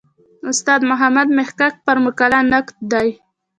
استاد محمد محق پر مقاله نقد دی.